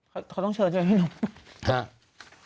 เขาต้องเชิญใช่ไหมพี่หนุ่ม